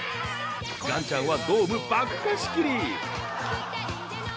ガンちゃんはドーム爆貸し切り！